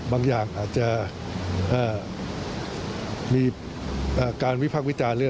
บางอย่างอาจจะมีการวิพากษ์วิจารณ์เรื่อง